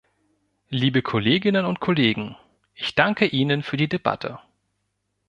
Liebe Kolleginnen und Kollegen, ich danke Ihnen für die Debatte.